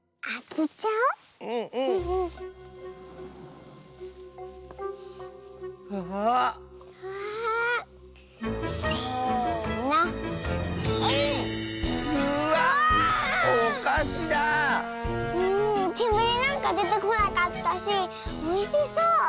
けむりなんかでてこなかったしおいしそう。